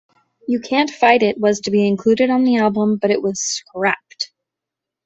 "You Can't Fight It" was to be included on the album but was scrapped.